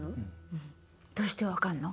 うんどうして分かんの？